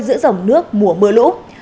giữa dòng nước mùa mưa lũ